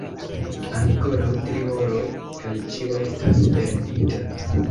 Ankoraŭ tri horoj kaj ĉio estas perdita!